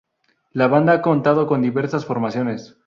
La banda ha contado con diversas formaciones.